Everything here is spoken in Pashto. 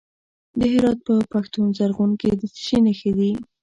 د هرات په پښتون زرغون کې د څه شي نښې دي؟